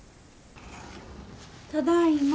ただいま。